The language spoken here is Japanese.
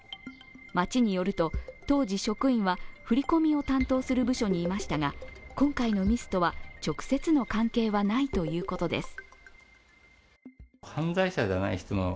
町によると、当時職員は振り込みを担当する部署にいましたが今回のミスとは直接の関係はないということです。